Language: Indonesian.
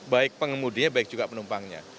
baik pengemudinya baik juga penumpangnya